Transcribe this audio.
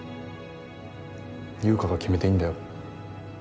優香が決めていいんだよ